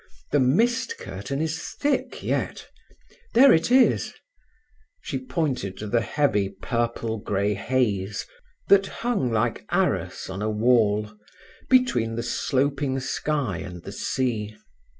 The mist curtain is thick yet. There it is"—she pointed to the heavy, purple grey haze that hung like arras on a wall, between the sloping sky and the sea.